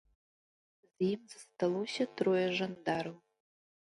З ім засталося трое жандараў.